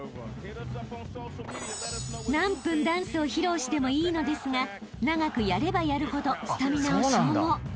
［何分ダンスを披露してもいいのですが長くやればやるほどスタミナを消耗］